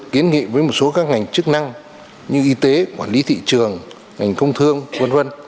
kiến nghị với một số các ngành chức năng như y tế quản lý thị trường ngành công thương v v